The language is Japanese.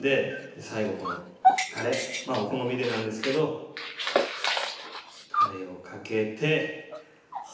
最後このたれまあお好みでなんですけどたれをかけて。